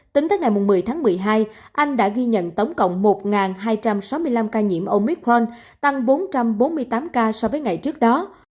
tính tới ngày một mươi tháng một mươi hai anh đã ghi nhận tổng cộng một hai trăm sáu mươi năm ca nhiễm omicront tăng bốn trăm bốn mươi tám ca so với ngày trước đó